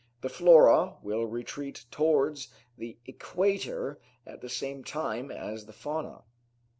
The flora will retreat towards the Equator at the same time as the fauna.